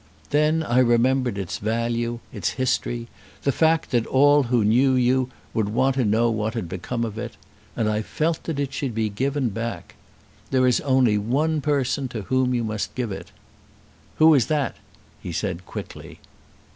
Then I remembered its value, its history, the fact that all who knew you would want to know what had become of it, and I felt that it should be given back. There is only one person to whom you must give it." "Who is that?" he said quickly.